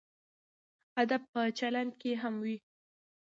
ادب په چلند کې هم وي.